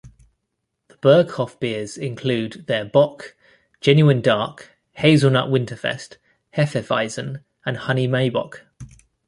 The Berghoff beers include their Bock, Genuine Dark, Hazelnut Winterfest, Hefeweizen, and Honey Maibock.